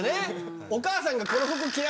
お母さんが。